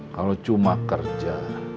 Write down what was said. kalau cuma kerja